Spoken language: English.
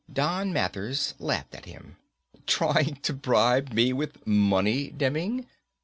Don Mathers laughed at him. "Trying to bribe me with money, Demming?